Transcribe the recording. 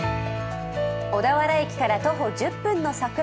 小田原駅から徒歩１０分の桜